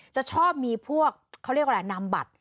จะชอบมีพวกเขาเรียกอะไรนำบัตร